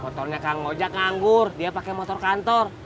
motornya kang ojak nganggur dia pake motor kantor